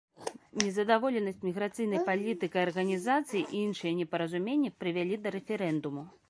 Незадаволенасць міграцыйнай палітыкай арганізацыі і іншыя непаразуменні прывялі да рэферэндуму.